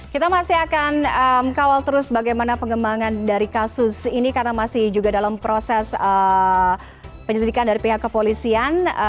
kita masih akan kawal terus bagaimana pengembangan dari kasus ini karena masih juga dalam proses penyelidikan dari pihak kepolisian